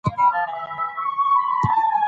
اداري مقررات د خدمت د کیفیت لپاره دي.